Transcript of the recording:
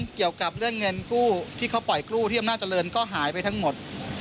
เกี่ยวกับเรื่องเงินกู้ที่เขาปล่อยกู้ที่อำนาจเจริญก็หายไปทั้งหมด